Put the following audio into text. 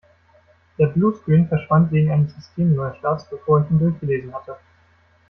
Der Bluescreen verschwand wegen eines Systemneustarts, bevor ich ihn durchgelesen hatte.